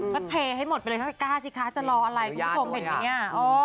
ก็เทให้หมดไปเลยถ้ากล้าสิคะจะรออะไรคุณผู้ชมเห็นไหมอ่ะ